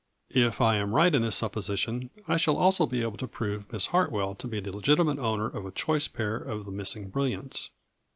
If I am right in this supposition. I shall also be able to prove Miss Hartwell to be the legitimate owner of a choice pair of the missing brilliants."